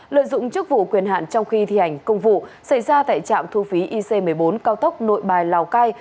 lợi dụng chức vụ quyền hạn trong khi thi hành công vụ xảy ra tại trạm thu phí ic một mươi bốn cao tốc nội bài lào cai